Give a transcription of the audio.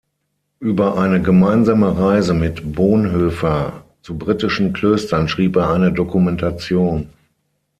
Über eine gemeinsame Reise mit Bonhoeffer zu britischen Klöstern schrieb er eine Dokumentation.